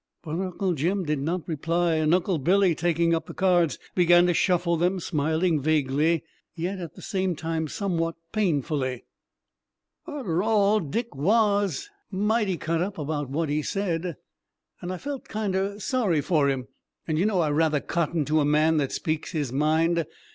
But Uncle Jim did not reply; and Uncle Billy, taking up the cards, began to shuffle them, smiling vaguely, yet at the same time somewhat painfully. "Arter all, Dick was mighty cut up about what he said, and I felt kinder sorry for him. And, you know, I rather cotton to a man that speaks his mind.